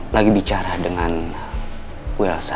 lagi bicara dengan welsa